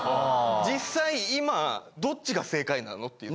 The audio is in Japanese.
実際今どっちが正解なのっていう。